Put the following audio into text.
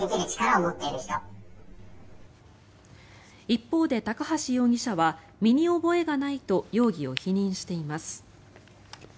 一方で高橋容疑者は身に覚えがないと容疑を認めています。